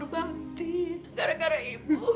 ibu sabar ibu